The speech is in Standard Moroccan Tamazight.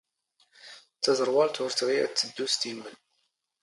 ⵜⴰⵥⵔⵡⴰⵍⵜ ⵓⵔ ⵜⵖⵉⵢ ⴰⴷ ⵜⴷⴷⵓ ⵙ ⵜⵉⵏⵎⵍ.